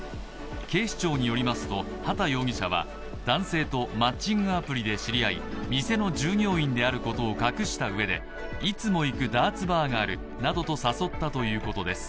警視庁によりますと畠容疑者は男性とマッチングアプリで知り合い、店の従業員であることを隠したうえでいつも行くダーツバーがあるなどと誘ったということです。